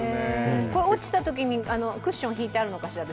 落ちたときに、クッション敷いてあるのかしら。